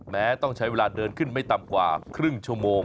แม้ต้องใช้เวลาเดินขึ้นไม่ต่ำกว่าครึ่งชั่วโมง